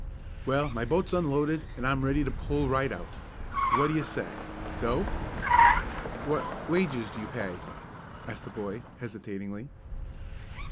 "Well, my boat's unloaded, an' I'm ready to pull right out. Wha' do ye say? Go?" "What wages do you pay?" asked the boy, hesitatingly.